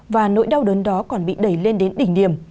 và nỗi đau đớn đó còn bị đẩy lên đến đỉnh điểm